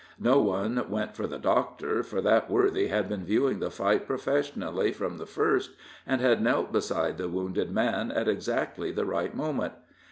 No one went for the Doctor, for that worthy had been viewing the fight professionally from the first, and had knelt beside the wounded man at exactly the right moment.